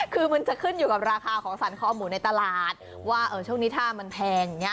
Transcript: คือมันจะขึ้นอยู่กับราคาของสรรคอหมูในตลาดว่าช่วงนี้ถ้ามันแพงอย่างนี้